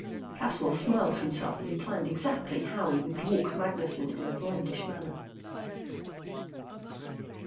Caswell smiled to himself as he planned exactly how he would dwark Magnessen in a vlendish manner.